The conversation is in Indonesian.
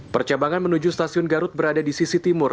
percabangan menuju stasiun garut berada di sisi timur